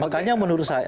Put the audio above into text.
makanya menurut saya